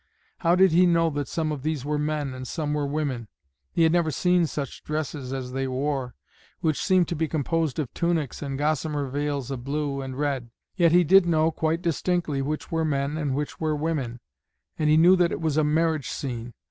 How did he know that some of these were men, and some were women? He had never seen such dresses as they wore, which seemed to be composed of tunics and gossamer veils of blue and red. Yet he did know quite distinctly which were men and which were women, and he knew that it was a marriage scene.